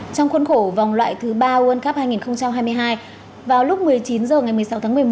trong khuôn khổ vòng loại thứ ba world cup hai nghìn hai mươi hai vào lúc một mươi chín h ngày một mươi sáu tháng một mươi một